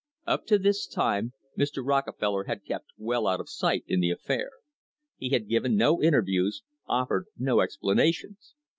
Up to this time Mr. Rockefeller had kept well out of sight in the affair. He had given no inter views, offered no explanations.